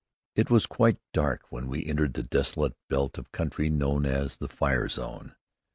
It was quite dark when we entered the desolate belt of country known as the "fire zone."